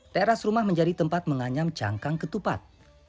teras rumah menjadi tempat menganyam cangkang ketupat